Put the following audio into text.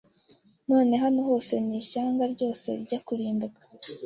none hano n'ishyanga ryose rijya kurimbuka